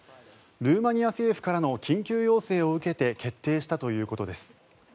ルーマニア政府からの緊急要請を受けて決定したということです。